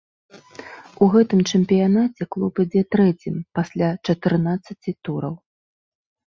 У гэтым чэмпіянаце клуб ідзе трэцім пасля чатырнаццаці тураў.